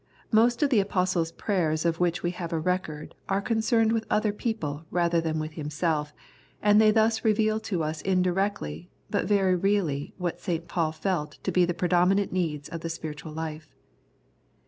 Most of the Apostle's prayers of which we have a record are concerned with other people rather than with himself, and they thus reveal to us in directly but very really what St. Paul felt to be the predominant needs of the spiritual life.